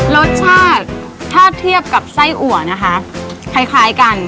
รสชาติถ้าเทียบกับไส้อัวนะคะคล้ายกัน